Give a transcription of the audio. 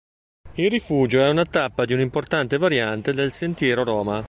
Il rifugio è una tappa di un'importante variante del Sentiero Roma.